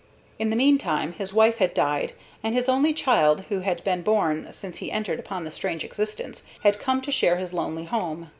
In the meantime his wife had died, and his only child, who had been born since he entered upon this strange existence, had come to share his lonely home.